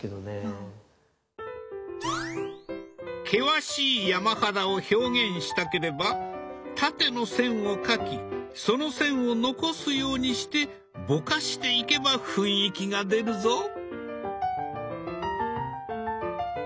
険しい山肌を表現したければ縦の線を描きその線を残すようにしてぼかしていけば雰囲気が出るぞ。